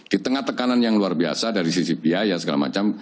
di tengah tekanan yang luar biasa dari sisi biaya segala macam